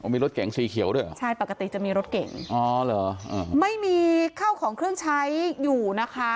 มีรถเก๋งสีเขียวด้วยเหรอใช่ปกติจะมีรถเก่งอ๋อเหรอไม่มีข้าวของเครื่องใช้อยู่นะคะ